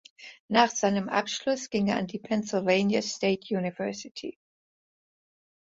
Nach seinem Abschluss ging er an die Pennsylvania State University.